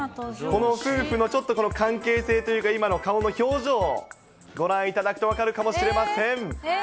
この夫婦のちょっと関係性というか、今の顔の表情、ご覧いただくと分かるかもしれません。